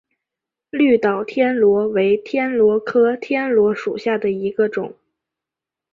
绿岛天螺为天螺科天螺属下的一个种。